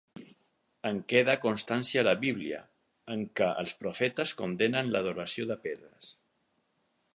En queda constància a la Bíblia, en què els profetes condemnen l'adoració de pedres.